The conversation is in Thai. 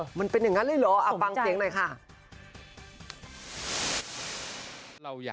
เฮียวักเถอะน้องปุ๊บอ่ะ